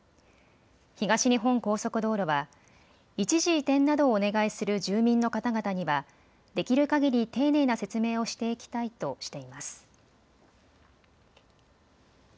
東日本高速道路は一時移転などをお願いする住民の方々にはできるかぎり丁寧な説明をしていきたいとしています。